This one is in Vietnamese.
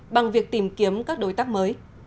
bằng việc tìm kiếm các đối tác mới